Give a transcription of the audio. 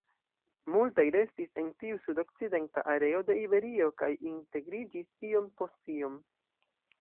Multaj restis en tiu sudokcidenta areo de Iberio kaj integriĝis iom post iom.